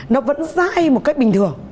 nó vẫn dai một cách bình thường